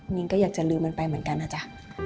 นิ้งก็อยากจะลืมมันไปเหมือนกันนะจ๊ะ